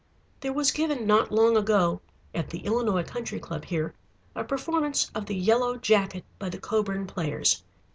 There was given not long ago, at the Illinois Country Club here, a performance of The Yellow Jacket by the Coburn Players.